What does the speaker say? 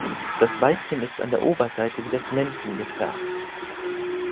Das Weibchen ist an der Oberseite wie das Männchen gefärbt.